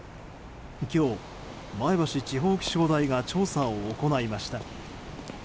今日、前橋地方気象台が調査を行いました。